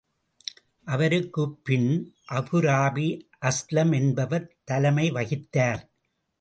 அவருக்குப் பின் அபூராபி அஸ்லம் என்பவர் தலைமை வகித்தார்.